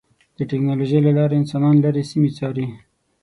د ټکنالوجۍ له لارې انسانان لرې سیمې څاري.